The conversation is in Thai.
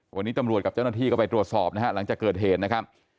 วันนี้ตำรวจกับเจ้าหน้าที่ก็ไปตรวจสอบนะฮะหลังจากเกิดเหตุนะครับ